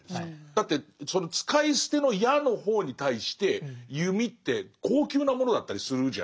だってその使い捨ての矢の方に対して弓って高級なものだったりするじゃないですか。